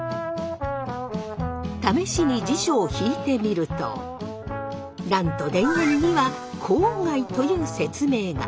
試しに辞書を引いてみるとなんと田園には「郊外」という説明が。